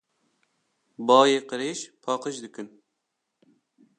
Bayê qirêj paqij dikin.